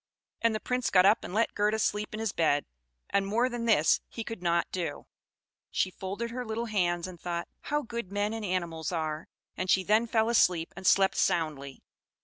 And the Prince got up and let Gerda sleep in his bed, and more than this he could not do. She folded her little hands and thought, "How good men and animals are!" and she then fell asleep and slept soundly.